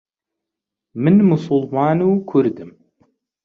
من موسڵمانم و کوردم.